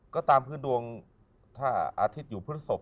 ก็ตามพื้นดวงถ้าอาทิตย์อยู่พฤศพ